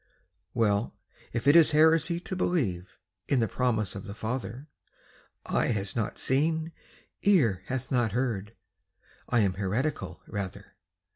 Well, if it is heresy to believe In the promise of the Father, "Eye hath not seen, ear hath not heard," I am heretical, rather.